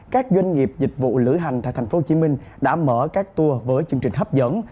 các doanh nghiệp dịch vụ lữ hành tại tp hcm đã mở các tour với chương trình hấp dẫn